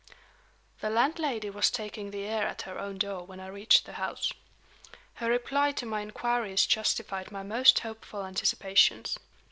THE landlady was taking the air at her own door when I reached the house. Her reply to my inquiries justified my most hopeful anticipations.